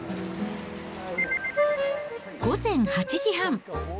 午前８時半。